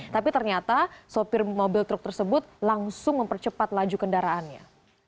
tapi ternyata sopir mobil truk tersebut langsung mempercepat laju kendaraannya